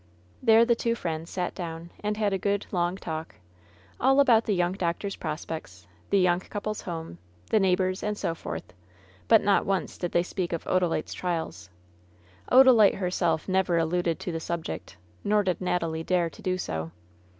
There the two friends sat down and had a good, long talk — all about the young doctor's prospects, the young couple's home, the neighbors, and so forth ; but not once did they speak of Odalite's trials. Odalite herself never alluded to the subject, nor did Natalie dare to do so.